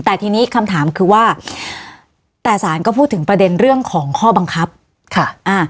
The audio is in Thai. แต่ทีนี้คำถามคือว่าแต่สารก็พูดถึงประเด็นเรื่องของข้อบังคับค่ะอ่า